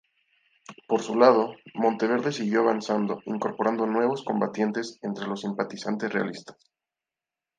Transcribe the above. Por su lado, Monteverde siguió avanzando, incorporando nuevos combatientes entre los simpatizantes realistas.